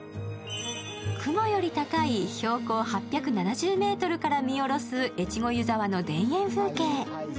雲より高い標高８７０ｍから見下ろす越後湯沢の田園風景。